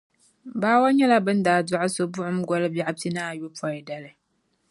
Bawa nyɛla bɛ ni daa dɔɣi so buɣim goli biɛɣu pia ni ayopɔidali.